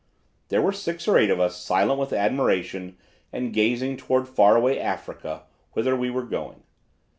There were six or eight of us silent with admiration and gazing toward far away Africa whither we were going.